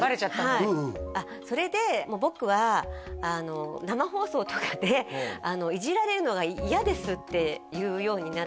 はいあっそれで「僕は生放送とかで」「いじられるのが嫌です」って言うようになって